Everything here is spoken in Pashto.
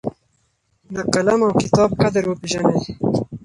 د قلم او کتاب قدر وپېژنئ.